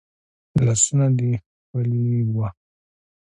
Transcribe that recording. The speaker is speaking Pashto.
لاسونه دي ښکلي وه